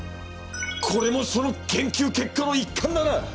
これもその研究結果の一環だな。